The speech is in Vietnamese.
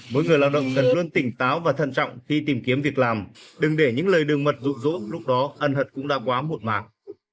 mỗi người lao động cần luôn tỉnh táo và thận trọng khi tìm kiếm việc làm đừng để những lời đừng mật rụ rỗ lúc đó ân hận cũng đã quá muộn màng